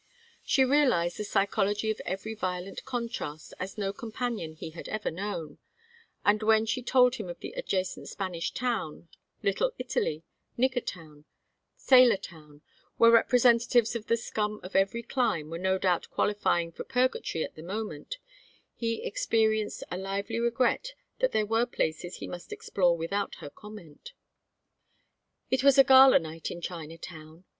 She realized the psychology of every violent contrast as no companion he had ever known, and when she told him of the adjacent Spanish Town, Little Italy, Nigger Town, Sailor Town, where representatives of the scum of every clime were no doubt qualifying for purgatory at the moment, he experienced a lively regret that there were places he must explore without her comment. It was a gala night in Chinatown.